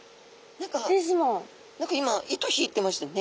何か今糸引いてましたよね。